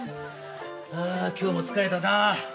あ今日も疲れたな。